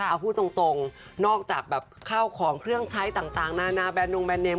เอาพูดตรงนอกจากแบบข้าวของเครื่องใช้ต่างนานาแบนนงแนนเมม